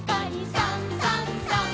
「さんさんさん」